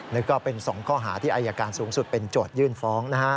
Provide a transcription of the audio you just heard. นี่ก็เป็น๒ข้อหาที่อายการสูงสุดเป็นโจทยื่นฟ้องนะฮะ